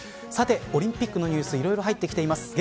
さて、オリンピックのニュースいろいろ入ってきています。